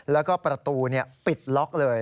แล้วก็ประตูปิดล็อกเลย